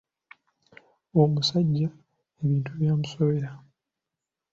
Omusajja ebintu byamusobera!